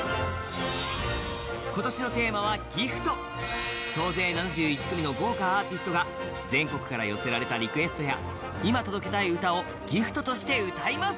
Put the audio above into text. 今年のテーマは「ＧＩＦＴギフト」総勢７１組の豪華アーティストが全国から寄せられたリクエストや今届けたい歌をギフトとして歌います